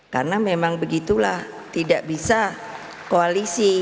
karena memang begitulah tidak bisa koalisi